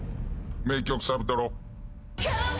名曲サビトロ。